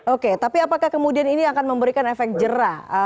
oke tapi apakah kemudian ini akan memberikan efek jerah